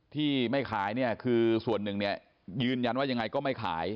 ที่ไม่ขายคือส่วนหนึ่งยืนยันว่ายังไงก็ไม่ขาย